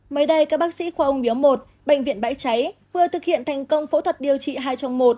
mới đây các bác sĩ khoa ung biếu một bệnh viện bãi cháy vừa thực hiện thành công phẫu thuật điều trị hai trong một